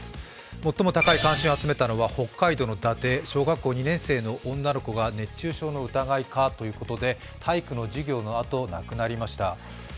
最も高い関心を集めたのが北海道の伊達、小学校２年生の女の子が熱中症の疑いかということで体育の授業のあと亡くなりました。